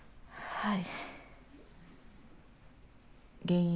はい。